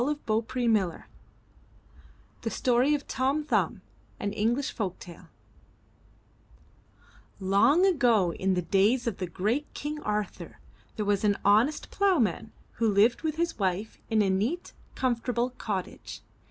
261 MY BOOK HOUSE THE STORY OF TOM THUMB An English Folk Tale Long ago in the days of the great King Arthur, there was an honest plough man who lived with his wife in a neat, comfortable cottage.